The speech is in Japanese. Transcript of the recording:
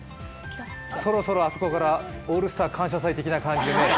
そろそろ、あそこから「オールスター感謝祭」的な感じでね。